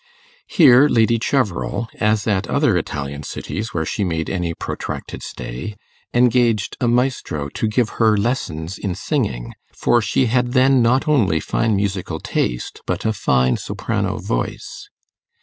Here Lady Cheverel, as at other Italian cities where she made any protracted stay, engaged a maestro to give her lessons in singing, for she had then not only fine musical taste, but a fine soprano voice.